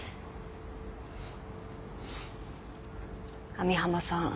網浜さん